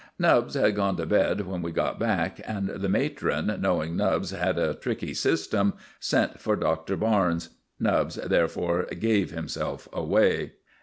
Nubbs had gone to bed when we got back, and the matron, knowing Nubbs had a tricky system, sent for Doctor Barnes. Nubbs, therefore, gave himself away.